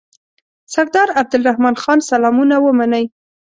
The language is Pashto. سردار عبدالرحمن خان سلامونه ومنئ.